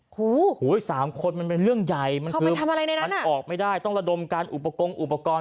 หูย๓คนมันเป็นเรื่องใหญ่มันคือพันออกไม่ได้ต้องระดมการอุปกรณ์อุปกรณ์